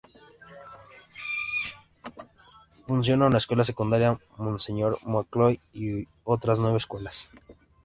Funciona una escuela secundaria, Monseñor McCoy, y otras nueve escuelas.